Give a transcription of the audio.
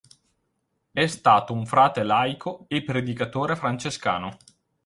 È stato un frate laico e predicatore francescano.